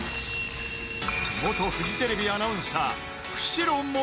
［元フジテレビアナウンサー］